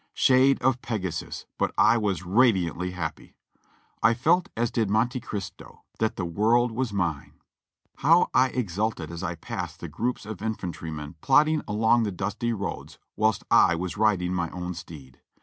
Shade of Pegasus, but I was radiantly happy! I felt as did Monte Cristo, "that the world was mine."" How I exulted as I passed the groups of infantrymen plodding along the dusty roads whilst I was riding my own steed.